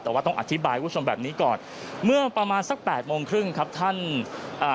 แต่ว่าต้องอธิบายคุณผู้ชมแบบนี้ก่อนเมื่อประมาณสักแปดโมงครึ่งครับท่านอ่า